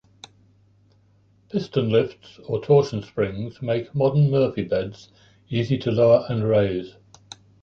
Piston-lifts or torsion springs make modern Murphy beds easy to lower and raise.